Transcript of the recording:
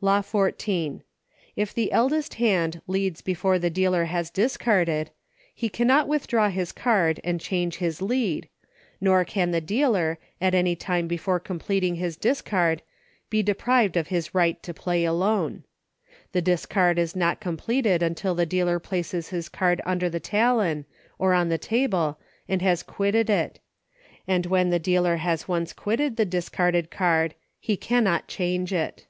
Law XIY. If the eldest hand leads before the dealer LAWS. 95 has discarded, he cannot withdraw his card and change his lead, nor can the dealer, at any time before completing his discard, be deprived of his right to Play Alone. The discard is not completed until the dealer places his card under the talon, or on the table, and has quitted it; and when the dealer has once quitted the discarded card he cannot change it.